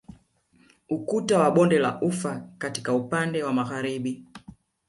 Ukuta wa bonde la ufa katika upande wa Magharibi